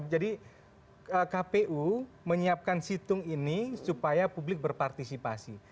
jadi kpu menyiapkan situng ini supaya publik berpartisipasi